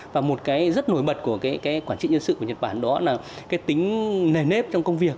và một cái rất nổi bật của quản trị nhân sự của nhật bản đó là tính nề nếp trong công việc